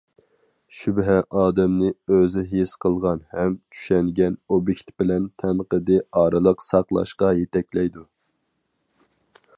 شۈبھە ئادەمنى ئۆزى ھېس قىلغان ھەم چۈشەنگەن ئوبيېكت بىلەن تەنقىدىي ئارىلىق ساقلاشقا يېتەكلەيدۇ.